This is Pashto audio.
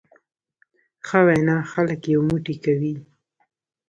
ښه وینا خلک یو موټی کوي.